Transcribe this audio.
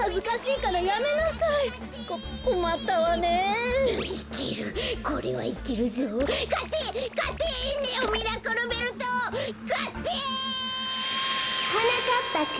かって！はなかっぱくん。